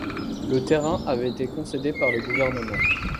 Le terrain avait été concédé par le gouvernement.